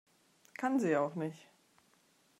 Kann sie ja auch nicht.